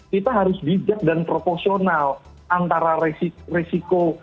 kita harus didap dan proporsional antara risiko